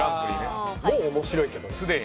もう面白いけどね。